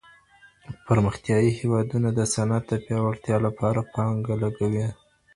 پرمختيايي هېوادونه د صنعت د پياوړتيا لپاره پانګه لګوي.